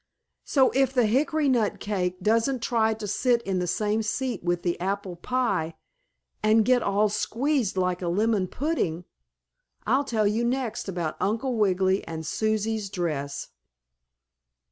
So if the hickory nut cake doesn't try to sit in the same seat with the apple pie and get all squeezed like a lemon pudding, I'll tell you next about Uncle Wiggily and Susie's dress.